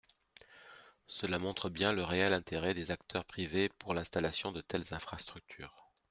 Cela montre bien le réel intérêt des acteurs privés pour l’installation de telles infrastructures.